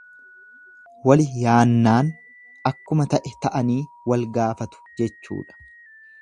Wali yaannaan akkuma ta'e ta'anii wal gaafatu jechuudha.